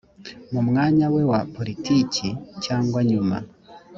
mu mwanya we wa politiki cyangwa nyuma